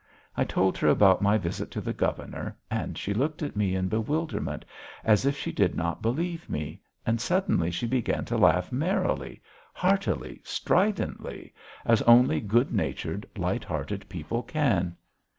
I told her about my visit to the governor and she looked at me in bewilderment, as if she did not believe me, and suddenly she began to laugh merrily, heartily, stridently, as only good natured, light hearted people can.